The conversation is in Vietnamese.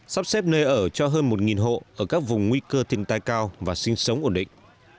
sắp xếp nơi ở cho hơn một hộ ở các vùng nguy cơ thiên tai cao và sinh sống ổn định